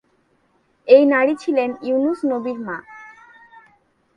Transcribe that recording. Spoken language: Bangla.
এই নারী ছিলেন ইউনুস নবীর মা।